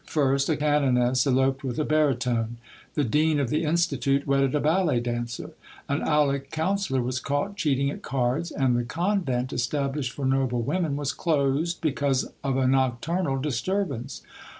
First, a canoness eloped with a baritone ; the Dean of the Institute wedded a ballet dancisr ; an Aulic councillor was caught cheating at cards; and the convent established for noble women was closed because of a nocturnal disturbance.